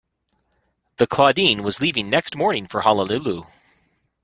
The Claudine was leaving next morning for Honolulu.